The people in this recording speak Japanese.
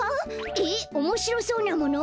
えっおもしろそうなもの？